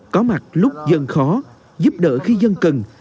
có mặt lúc dân khó giúp đỡ khi dân cần